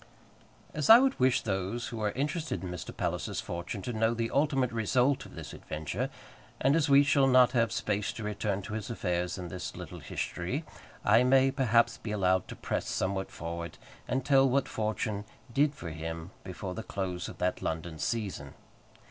As I would wish those who are interested in Mr. Palliser's fortunes to know the ultimate result of this adventure, and as we shall not have space to return to his affairs in this little history, I may, perhaps, be allowed to press somewhat forward, and tell what Fortune did for him before the close of that London season.